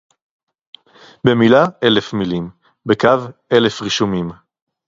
בְּמִילָה - אֶלֶף מִילִּים. בְּקַו - אֶלֶף רִישּׁוּמִים.